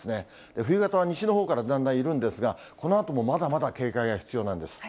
冬型は西のほうからだんだん緩んでるんですが、このあともまだまだ警戒が必要なんです。